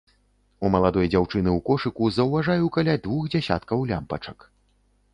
У маладой дзяўчыны ў кошыку заўважаю каля двух дзясяткаў лямпачак.